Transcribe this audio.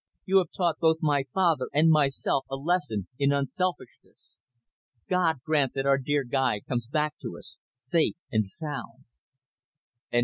"You have taught both my father and myself a lesson in unselfishness. God grant that our dear Guy comes back to us safe and sound."